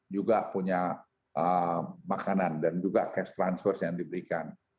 juga punya makanan dan juga cash transfers yang diberikan